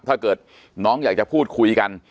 ถ้าเกิดน้องอยากจะพูดคุยกัน